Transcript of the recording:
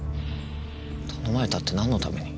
頼まれたって何のために？